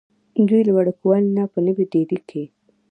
دوي د وړوکوالي نه پۀ نوي ډيلي کښې